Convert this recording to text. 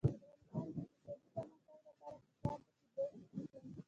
د افغانستان د اقتصادي پرمختګ لپاره پکار ده چې دوست وپېژنو.